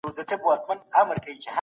کونډې او رنډې بس دي.